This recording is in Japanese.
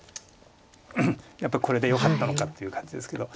やっぱりこれでよかったのかっていう感じですけど。